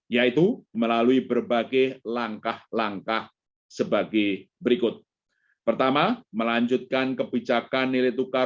yaitu melalui berbagai langkah langkah sebagai berikut pertama melanjutkan kebijakan nilai tukar